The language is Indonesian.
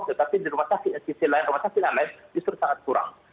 tetapi di rumah sakit sisi lain rumah sakit yang lain justru sangat kurang